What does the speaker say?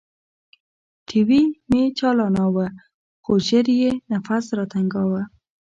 ټي وي مې چالاناوه خو ژر يې نفس راتنګاوه.